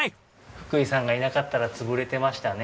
福井さんがいなかったらつぶれてましたね。